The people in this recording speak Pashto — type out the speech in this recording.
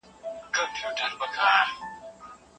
کوم کس د خاوند په وړاندي ميرمن پاروي؟